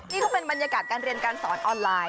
นี่ก็เป็นบรรยากาศการเรียนการสอนออนไลน์